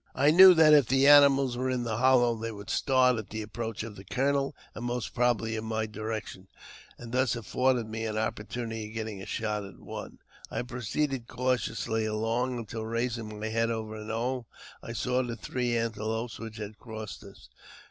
I knew that if the animals were in the hollow they would start at the approach of the colonel, and most probably in my direction, and thus afford me an opportunity of getting a shot at one. I proceeded cautiously along, until, raising my head over a knoll, I saw the three antelopes which had crossed us.